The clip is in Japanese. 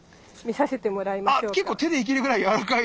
あ結構手でいけるぐらいやわらかい。